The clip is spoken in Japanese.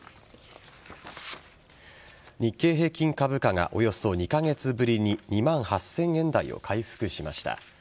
日経平均株価がおよそ２カ月ぶりに２万８０００円台を回復しました。